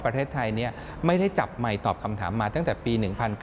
ประเทศไทยไม่ได้จับใหม่ตอบคำถามมาตั้งแต่ปี๑๙